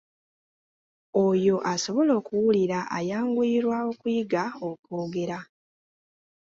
Oyo asobola okuwulira ayanguyirwa okuyiga okwogera.